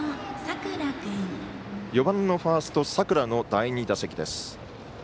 ４番のファースト佐倉の第２打席です。